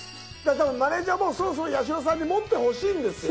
多分マネージャーもそろそろ八代さんに持ってほしいんですよ。